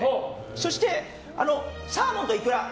そして、サーモンとイクラ。